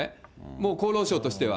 もう、厚労省としては。